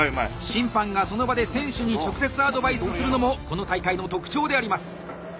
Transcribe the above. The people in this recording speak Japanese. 審判がその場で選手に直接アドバイスするのもこの大会の特徴であります！